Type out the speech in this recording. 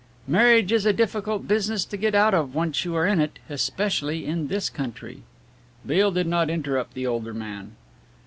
Marriage is a difficult business to get out of once you are in it, especially in this country." Beale did not interrupt the older man.